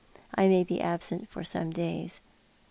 I may be absent for some days."